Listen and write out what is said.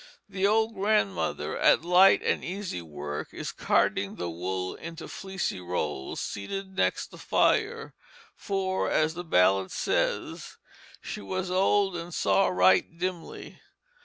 The old grandmother, at light and easy work, is carding the wool into fleecy rolls, seated next the fire; for, as the ballad says, "she was old and saw right dimly."